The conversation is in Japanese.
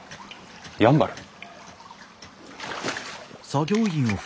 やんばる？